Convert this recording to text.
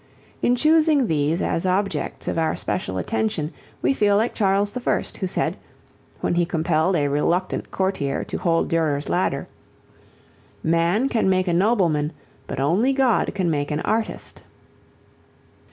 In choosing these as objects of our special attention we feel like Charles I., who said, when he compelled a reluctant courtier to hold Durer's ladder, "Man can make a nobleman, but only God can make an artist."